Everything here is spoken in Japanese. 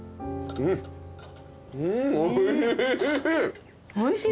うんおいしい。